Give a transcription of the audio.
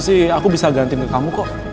sih aku bisa gantiin ke kamu kok